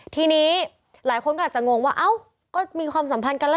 ทีนี้หลายคนก็อาจจะงงว่าเอ้าก็มีความสัมพันธ์กันแล้ว